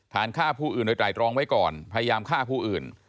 ฆ่าผู้อื่นโดยไตรรองไว้ก่อนพยายามฆ่าผู้อื่น